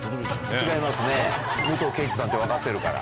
違いますね武藤敬司さんって分かってるから。